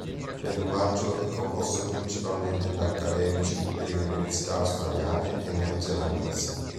L'equipaggio è composto principalmente da accademici delle università australiane e neozelandesi.